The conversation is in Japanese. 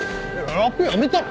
ラップやめたの？